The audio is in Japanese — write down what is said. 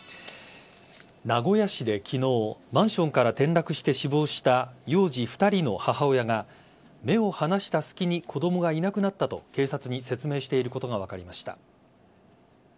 名古屋市で昨日マンションから転落して死亡した幼児２人の母親が目を離した隙に子供がいなくなったと警察に説明していることが分かりました。